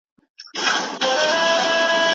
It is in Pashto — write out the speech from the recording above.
نو هغه خو بېخي قام هم نه لري